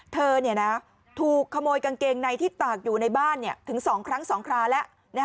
เธอถูกขโมยกางเกงในที่ตากอยู่ในบ้านถึง๒ครั้ง๒คราแล้ว